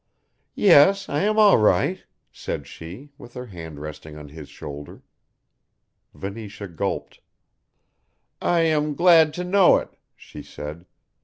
"Yes, I am all right," said she, with her hand resting on his shoulder. Venetia gulped. "I am glad to know it," she said.